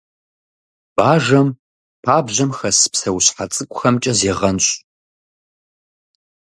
Бажэм пабжьэм хэс псэущхьэ цӀыкӀухэмкӀэ зегъэнщӀ.